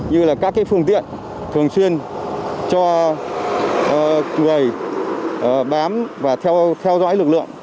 như là các phương tiện thường xuyên cho người bám và theo dõi lực lượng